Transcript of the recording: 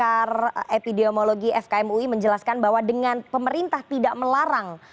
pakar epidemiologi fkm ui menjelaskan bahwa dengan pemerintah tidak melarang